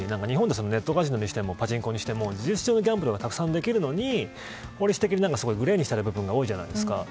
ネットカジノにしてもパチンコにしても事実上ギャンブルがたくさんできるのに法律的にグレーにしたい部分が多いじゃないですか。